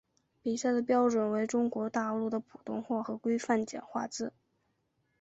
比赛的标准为中国大陆的普通话和规范简化字。